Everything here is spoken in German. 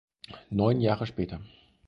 Neun Jahre später.